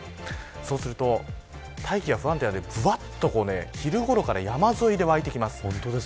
そうすると大気が不安定になって昼ごろから山沿いでぶわっとわいてきます。